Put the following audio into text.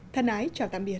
thân ái chào tạm biệt